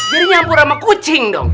jadi nyambur sama kucing dong